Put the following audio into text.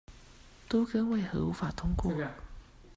都更為何無法通過